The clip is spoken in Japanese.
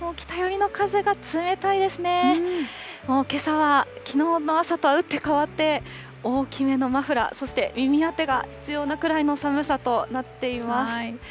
けさはきのうの朝とは打って変わって、大きめのマフラー、そして耳当てが必要なくらいの寒さとなっています。